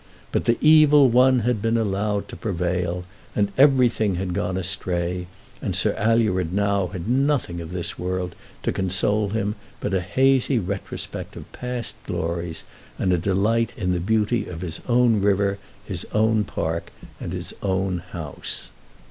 But the Evil One had been allowed to prevail, and everything had gone astray, and Sir Alured now had nothing of this world to console him but a hazy retrospect of past glories, and a delight in the beauty of his own river, his own park, and his own house.